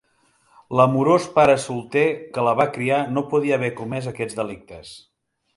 L'amorós pare solter que la va criar no podia haver comès aquests delictes.